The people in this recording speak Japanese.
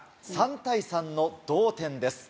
３対３の同点です。